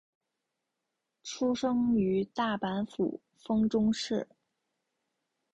出身于大阪府丰中市。